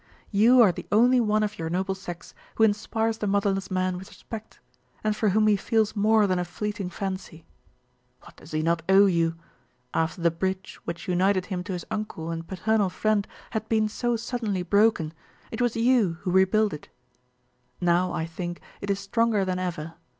You are the only one of your noble sex who inspires the motherless man with respect, and for whom he feels more than a fleeting fancy. What does he not owe you? After the bridge which united him to his uncle and paternal friend had been so suddenly broken, it was you who rebuilt it. Now, I think, it is stronger than ever.